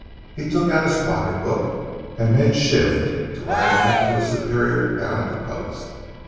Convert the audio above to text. He took out his pocket book, and made shift to write a note to his superior down at the Post.